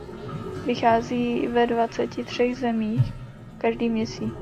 Vychází ve dvaceti třech zemích každý měsíc.